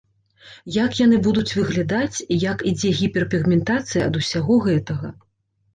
Як яны будуць выглядаць, як ідзе гіперпігментацыя ад усяго гэтага.